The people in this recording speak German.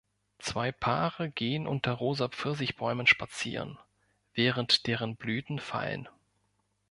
Zwei Paare gehen unter rosa Pfirsichbäumen spazieren, während deren Blüten fallen.